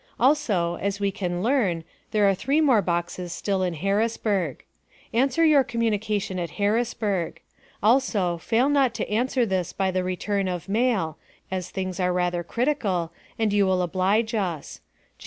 Also, as we can learn, there are three more boxes still in Harrisburg. Answer your communication at Harrisburg. Also, fail not to answer this by the return of mail, as things are rather critical, and you will oblige us.